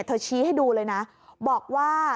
ชี้ให้ดูเลยนะบอกว่า